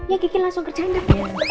ya kiki langsung kerjaan kak